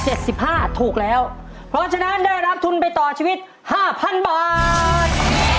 ถูกแล้วเพราะฉะนั้นได้รับทุนไปต่อชีวิตห้าพันบาท